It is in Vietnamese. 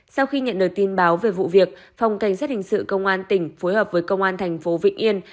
sau khi nhận được tin báo về vụ việc phòng cảnh sát hình sự công an tỉnh phối hợp với công an thành phố vĩnh yên